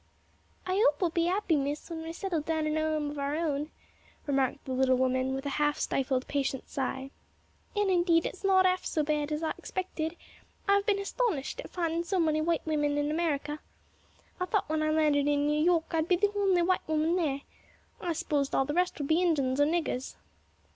"I 'ope we'll be 'appy, Miss, when we're settled down in a 'ome of our own," remarked the little woman with a half stifled patient sigh. "And indeed it's not 'alf so bad as I expected; I've been hastonished, at finding so many white women in America. I thought when I landed in New York I'd be the honly white woman there. I s'posed all the rest would be Injuns or niggers."